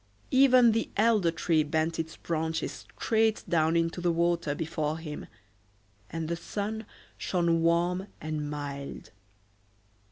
Even the elder tree bent its branches straight down into the water before him, and the sun shone warm and mild.